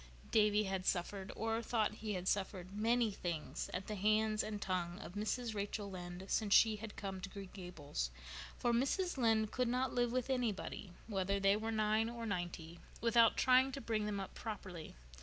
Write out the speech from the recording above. Davy had suffered, or thought he had suffered, many things at the hands and tongue of Mrs. Rachel Lynde since she had come to Green Gables, for Mrs. Lynde could not live with anybody, whether they were nine or ninety, without trying to bring them up properly.